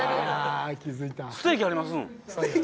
「ステーキありますん？」。